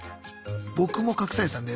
僕も隠されてたんで。